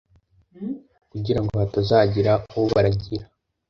kugira ngo hatazagira ubaragira